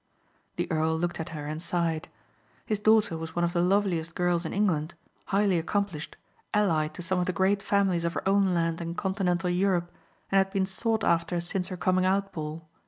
The earl looked at her and sighed. His daughter was one of the loveliest girls in England, highly accomplished, allied to some of the great families of her own land and continental Europe and had been sought after since her coming out ball.